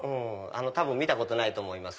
多分見たことないと思います。